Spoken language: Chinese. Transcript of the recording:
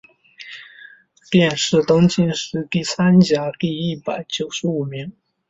殿试登进士第三甲第一百九十五名。